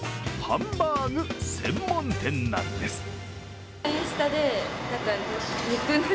ハンバーグ専門店なんです。